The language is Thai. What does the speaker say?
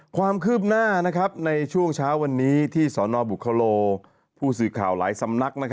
ความคืบหน้าในช่วงเช้าวันนี้ที่สนบุคโลผู้สื่อข่าวหลายสำนัก